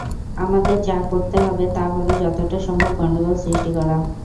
আমাদের যা করতে হবে তা হল যতটা সম্ভব গণ্ডগোল সৃষ্টি করা।